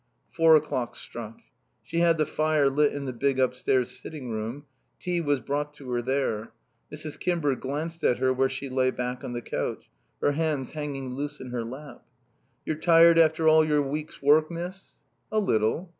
Four o'clock struck. She had the fire lit in the big upstairs sitting room. Tea was brought to her there. Mrs. Kimber glanced at her where she lay back on the couch, her hands hanging loose in her lap. "You're tired after all your week's work, miss?" "A little."